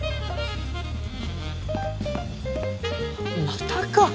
またか。